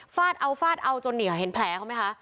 ฟาดเอาเอาจนเหนียวเห็นแผลเขาไหมคะ